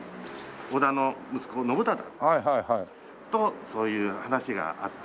織田の息子信忠とそういう話があって。